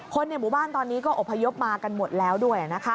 ในหมู่บ้านตอนนี้ก็อบพยพมากันหมดแล้วด้วยนะคะ